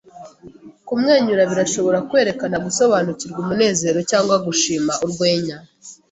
Kumwenyura birashobora kwerekana gusobanukirwa, umunezero, cyangwa gushima urwenya.